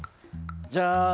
じゃん！